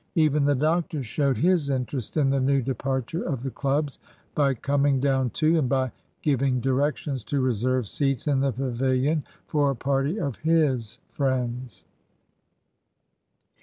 Even the doctor showed his interest in the new departure of the clubs by coming down too, and by giving directions to reserve seats in the pavilion for a party of his friends.